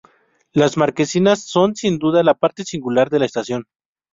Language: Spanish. Las marquesinas son sin duda la parte singular de la estación.